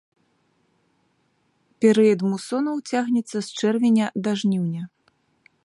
Перыяд мусонаў цягнецца з чэрвеня да жніўня.